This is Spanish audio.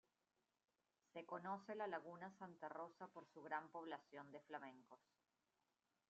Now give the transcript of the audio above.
Se conoce la laguna Santa Rosa por su gran población de flamencos.